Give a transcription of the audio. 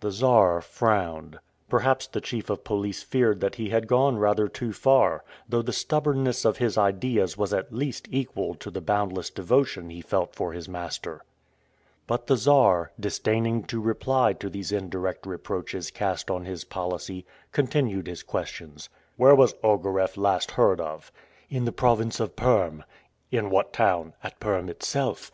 The Czar frowned. Perhaps the chief of police feared that he had gone rather too far, though the stubbornness of his ideas was at least equal to the boundless devotion he felt for his master. But the Czar, disdaining to reply to these indirect reproaches cast on his policy, continued his questions. "Where was Ogareff last heard of?" "In the province of Perm." "In what town?" "At Perm itself."